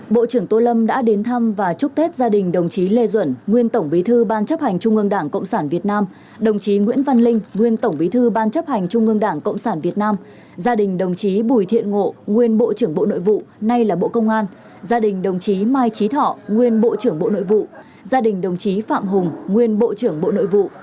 bộ trưởng tô lâm đã đến thăm và chúc tết gia đình đồng chí lê duẩn nguyên tổng bí thư ban chấp hành trung ương đảng cộng sản việt nam đồng chí nguyễn văn linh nguyên tổng bí thư ban chấp hành trung ương đảng cộng sản việt nam gia đình đồng chí bùi thiện ngộ nguyên bộ trưởng bộ nội vụ nay là bộ công an gia đình đồng chí mai trí thọ nguyên bộ trưởng bộ nội vụ gia đình đồng chí phạm hùng nguyên bộ trưởng bộ nội vụ